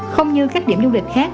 không như khách điểm du lịch khác